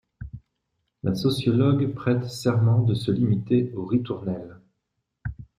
La sociologue prête serment de se limiter aux ritournelles.